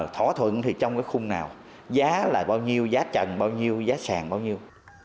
thỏa thuận thì trong cái khung nào giá là bao nhiêu giá trần bao nhiêu giá sàn bao nhiêu